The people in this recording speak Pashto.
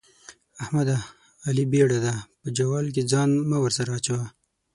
احمده؛ علي بېړا دی - په جوال کې ځان مه ورسره اچوه.